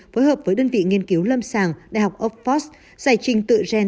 phối hợp với đơn vị nghiên cứu lâm sàng đại học oxford giải trình tự gen